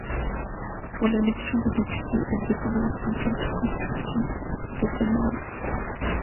Pour l'élection des députés, elle dépend de la cinquième circonscription de Seine-et-Marne.